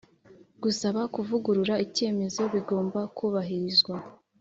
Gusaba kuvugurura icyemezo bigomba kubahirizwa